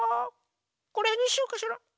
これにしようかしら？